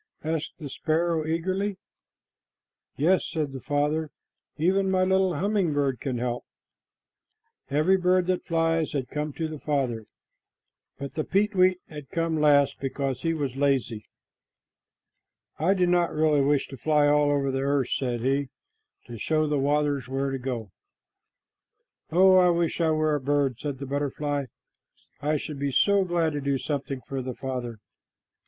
asked the sparrow eagerly. "Yes," said the Father, "even my little humming bird can help me." Every bird that flies had come to the Father, but the peetweet had come last because he was lazy. "I do not really wish to fly all over the earth," said he, "to show the waters where to go." "Oh, I wish I were a bird," said a butterfly. "I should be so glad to do something for the Father."